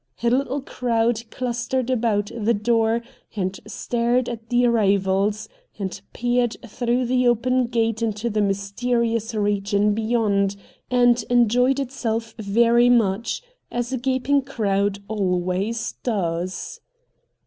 A httle crowd clustered about the door and stared at the arrivals, and peered through the open gate into the mysterious region beyond, and enjoyed itself very much, as a gaping crowd always does.